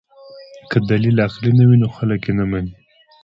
که دلیل عقلي نه وي نو خلک یې نه مني.